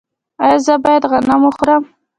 ایا زه باید غنم وخورم؟